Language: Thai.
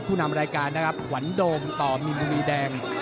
ผู้นำรายการหวันโดมต่อมินมิแดง